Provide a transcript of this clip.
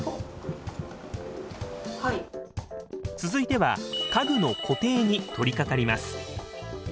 続いては家具の固定に取りかかります。